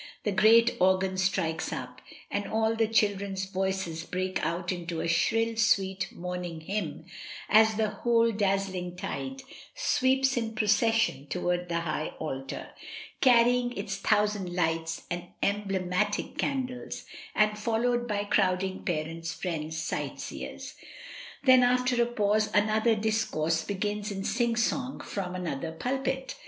The great organ strikes up, and all the children's voices break out into a shrill sweet morn ing hymn, as the whole dazzling tide sweeps in procession towards the high altar, carrying its thou sand lights and emblematic candles, and followed by crowding parents, friends, sightseers. Then after a pause another discourse begins in sing song from another pulpit.